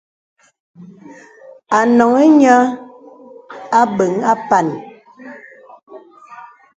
À noŋhī nīə àbéŋ àpān.